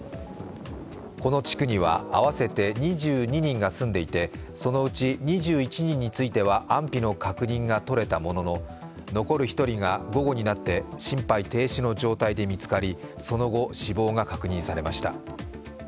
この地区には合わせて２２人が住んでいてそのうち２１人については安否の確認が取れたものの、残る１人が午後になって心肺停止の状態で見つかり、その後、死亡が確認されました。